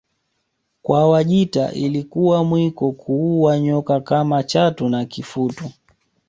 Kwa Wajita ilikuwa mwiko kuua nyoka kama chatu na kifutu